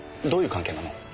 どういう関係なの？